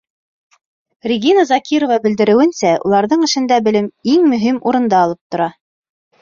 Регина Закирова белдереүенсә, уларҙың эшендә белем иң мөһим урынды алып тора.